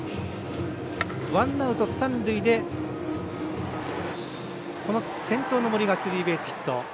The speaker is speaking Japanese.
ワンアウト、三塁で先頭の森がスリーベースヒット。